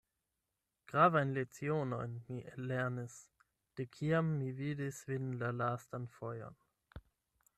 Gravajn lecionojn mi ellernis, de kiam mi vidis vin la lastan fojon.